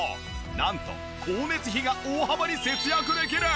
なんと光熱費が大幅に節約できる！？